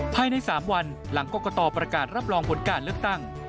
ภายใน๓วันหลังกรกตประกาศรับรองผลการเลือกตั้ง